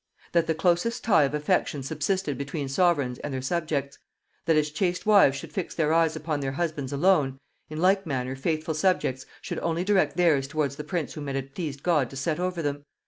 That the closest tie of affection subsisted between sovereigns and their subjects: that as chaste wives should fix their eyes upon their husbands alone, in like manner faithful subjects should only direct theirs towards the prince whom it had pleased God to set over them.